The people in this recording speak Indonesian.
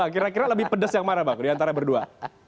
kira kira lebih pedes yang mana bang diantara berdua